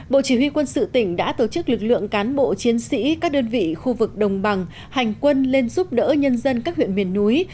bộ chỉ huy quân sự tỉnh đã tổ chức lực lượng cán bộ chiến sĩ các đơn vị khu vực đồng bằng hành quân lên giúp đỡ nhân dân các huyện miền núi